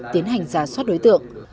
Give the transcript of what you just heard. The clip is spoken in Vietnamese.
tiến hành giả soát đối tượng